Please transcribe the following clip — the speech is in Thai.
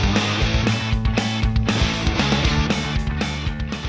มันอยู่ที่หัวใจ